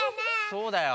そうだよ。